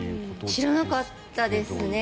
知らなかったですね。